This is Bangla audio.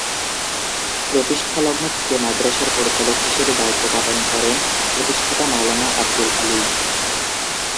প্রতিষ্ঠালগ্ন থেকে মাদ্রাসার পরিচালক হিসেবে দায়িত্ব পালন করেন প্রতিষ্ঠাতা মাওলানা আব্দুল আলী।